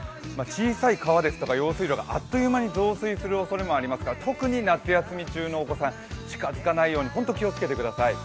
小さい川ですとか用水路があっという間に増水するおそれもありますので特に夏休み中のお子さん、近づかないように本当に気をつけてください